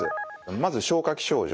まず消化器症状。